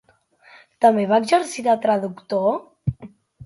També va exercir de traductor?